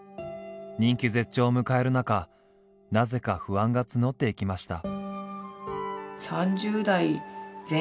人気絶頂を迎える中なぜか不安が募っていきました。